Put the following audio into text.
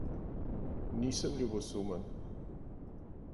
Nisem ljubosumen.